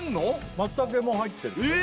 松茸も入ってるえ！